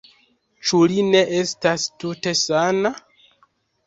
Ĉu li ne estas tute sana?